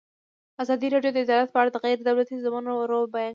ازادي راډیو د عدالت په اړه د غیر دولتي سازمانونو رول بیان کړی.